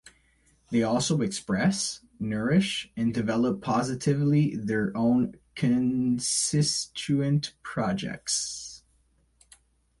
They also express, nourish, and develop positively their own constituent projects.